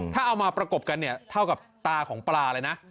ถ้าเอามาประกบกันเนี่ยเท่ากับตาของปลาเลยนะ